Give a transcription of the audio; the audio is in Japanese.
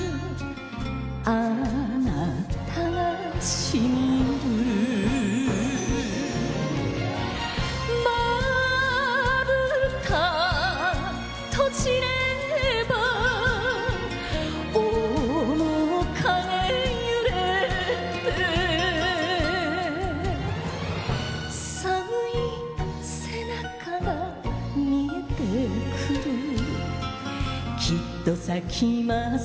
あなたがしみるまぶた閉じれば面影ゆれて寒い背中がみえてくるきっと咲きます